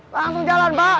langsung jalan pak